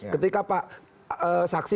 ketika pak saksi